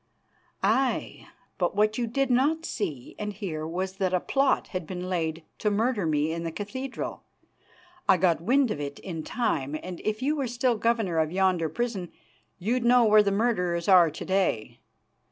"Aye, but what you did not see and hear was that a plot had been laid to murder me in the cathedral. I got wind of it in time and if you were still governor of yonder prison you'd know where the murderers are to day.